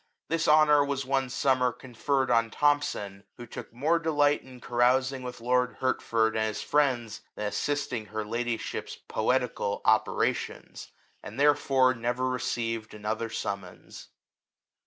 This honour was one sum mer conferred on Thomson, who took more delight in carousing with lord Hertford and his friends, than assisting her ladyship's poe tical operations, and therefore never received another summons.